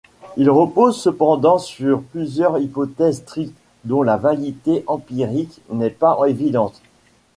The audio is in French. Il repose cependant sur plusieurs hypothèses strictes, dont la validité empirique n'est pas évidente.